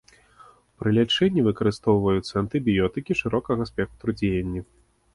Пры лячэнні выкарыстоўваюцца антыбіётыкі шырокага спектру дзеяння.